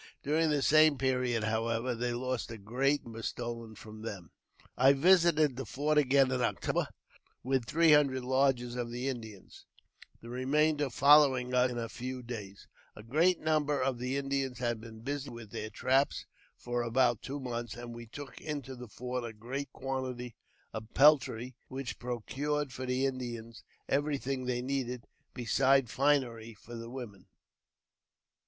During the same period, however, they lost a great number stolen from them. 3ir , I ne '■ JAMES P. BECKWOUBTH. 191 I visited the fort again in October, with three hundred lodges of the Indians, the remainder following us in a few days. A great number of the Indians had been busy with their traps for about two months, and we took into the fort a great quantity of peltry, which procured for the Indians every thing they needed, besides finery for the women.